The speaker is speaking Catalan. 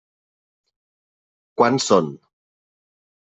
Quants són?